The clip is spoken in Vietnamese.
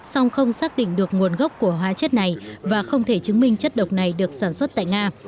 song không xác định được nguồn gốc của hóa chất này và không thể chứng minh chất độc này được sản xuất tại nga